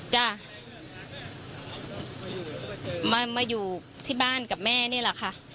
จ้ะมาอยู่ที่บ้านกับแม่นี่แหละค่ะ